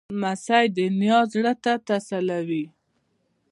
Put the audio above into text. لمسی د نیا زړه تسلوي.